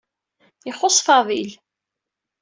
Ixuṣṣ Fadil.